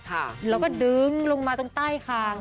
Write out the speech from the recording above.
แล้วก็ดึงลงมาจนใต้คาง